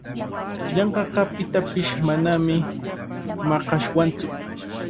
Yanqaqa pitapish manami maqashwantsu.